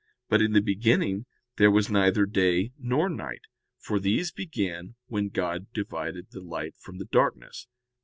But in the beginning there was neither day nor night, for these began when "God divided the light from the darkness."